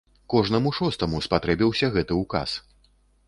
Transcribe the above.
Кожнаму шостаму спатрэбіўся гэты ўказ.